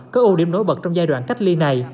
có ưu điểm nổi bật trong giai đoạn cách ly này